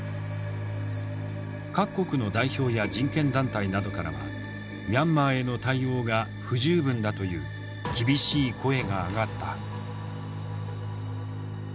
各国の代表や人権団体などからはミャンマーへの対応が不十分だという厳しい声が上がった。